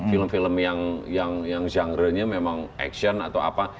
film film yang genre nya memang action atau apa